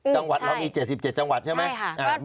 จังหวัดเรามี๗๗จังหวัดใช่ไหม